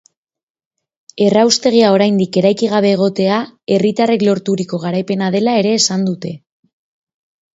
Erraustegia oraindik eraiki gabe egotea herritarrek lorturiko garaipena dela ere esan dute.